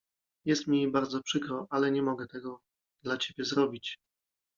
Jest mi bardzo przykro, ale nie mogę tego dla Ciebie zrobić.